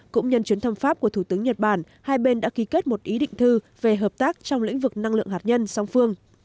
cũng nhân chuyến thăm pháp của thủ tướng nhật bản hai bên đã ký kết một ý định thư về hợp tác trong lĩnh vực năng lượng hạt nhân song phương